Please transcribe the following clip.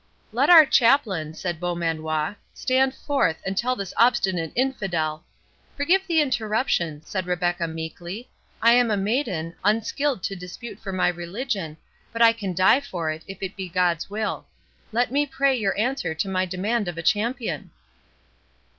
"Let our chaplain," said Beaumanoir, "stand forth, and tell this obstinate infidel—" "Forgive the interruption," said Rebecca, meekly; "I am a maiden, unskilled to dispute for my religion, but I can die for it, if it be God's will.—Let me pray your answer to my demand of a champion."